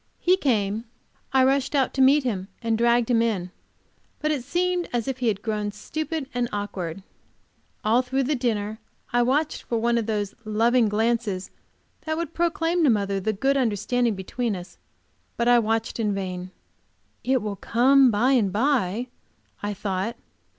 He came; I rushed out to meet him and dragged him in. But it seemed as if he had grown stupid and awkward. All through the dinner I watched for one of those loving glances which should proclaim to mother the good understanding between us, but watched in vain. "It will come by and by," I thought.